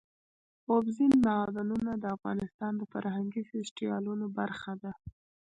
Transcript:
اوبزین معدنونه د افغانستان د فرهنګي فستیوالونو برخه ده.